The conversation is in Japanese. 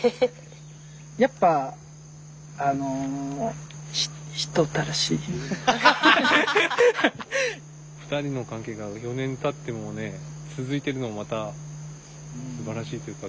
やっぱあの２人の関係が４年たってもね続いてるのもまたすばらしいというか。